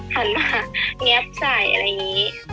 หันมาแง๊บใส่อะไรอย่างนี้